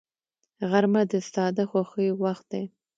غرمه د ساده خوښیو وخت دی